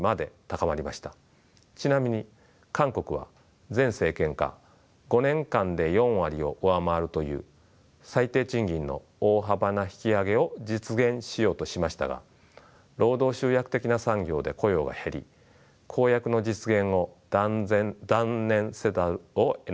ちなみに韓国は前政権下５年間で４割を上回るという最低賃金の大幅な引き上げを実現しようとしましたが労働集約的な産業で雇用が減り公約の実現を断念せざるをえなくなりました。